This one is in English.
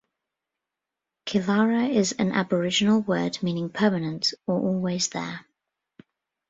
Killara is an Aboriginal word meaning "permanent" or "always there".